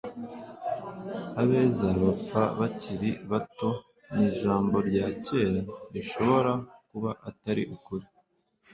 abeza bapfa bakiri bato ni ijambo rya kera rishobora kuba atari ukuri